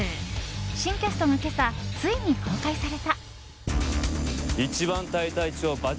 新キャストが今朝ついに公開された。